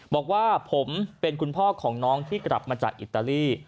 บอกว่าผมเป็นคุณพ่อของน้องที่กลับมาจากอิตาลี